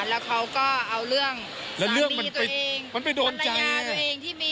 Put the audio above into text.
แล้วเขาก็เอาเรื่องสารีตัวเองฝรายาตัวเองที่มี